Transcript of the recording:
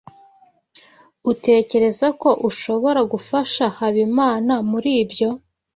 Utekereza ko ushobora gufasha Habimana muri ibyo?